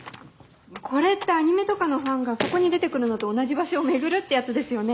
これってアニメとかのファンがそこに出てくるのと同じ場所を巡るってやつですよね？